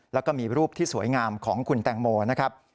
แล้วก็มีรูปที่สวยงามของคุณแตงโมนะครับ